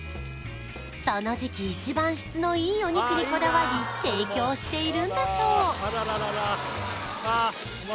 その時期一番質のいいお肉にこだわり提供しているんだそう